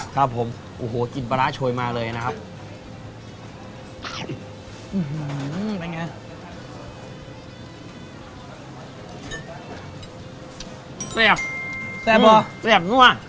ครับผมโอ้โหกินปลาร้าโชยมาเลยนะครับ